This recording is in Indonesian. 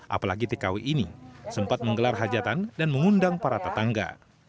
apalagi tkw ini sempat menggelar hajatan dan mengundang para tetangga